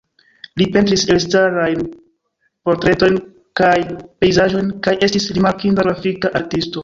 Li pentris elstarajn portretojn kaj pejzaĝojn kaj estis rimarkinda grafika artisto.